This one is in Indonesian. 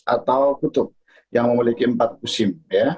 atau kutub yang memiliki empat musim